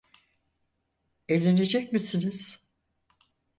Evlenecek misiniz?